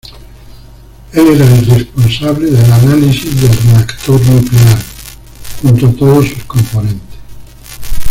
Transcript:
Él era el responsable del análisis del reactor nuclear junto a todos su componentes.